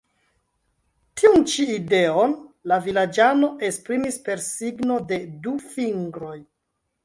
Tiun ĉi ideon la vilaĝano esprimis per signo de du fingroj.